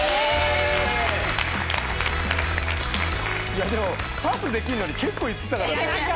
いやでもパスできるのに結構言ってたからね。